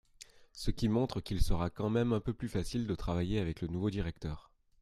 Ce qui montre qu’il sera quand même un peu plus facile de travailler avec le nouveau directeur.